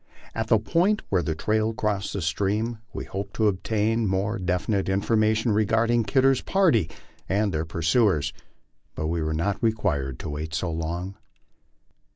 At the point where the trail crossed the stream, we hoped to obtain more defi nite information regarding Kidder's party and their pursuers, but we were not required to wait so long.